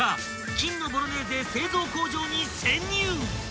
金のボロネーゼ製造工場に潜入］